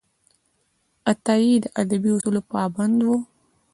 عطايي د ادبي اصولو پابند و.